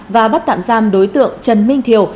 và bắt tạm giam đối tượng trần minh thiều